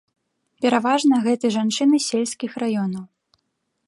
Пераважна, гэты жанчыны з сельскіх раёнаў.